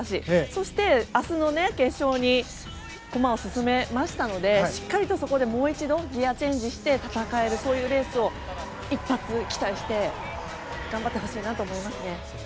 そして、明日の決勝に駒を進めましたのでしっかりとそこで、もう一度ギアチェンジして戦えるそういうレースを一発、期待して頑張ってほしいなと思いますね。